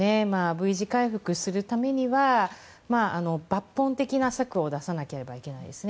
Ｖ字回復するためには抜本的な策を出さなければならないですね。